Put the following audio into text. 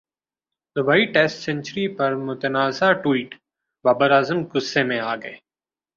Dubai test century پر متنازع tweet Babar Azam غصہ میں اگئے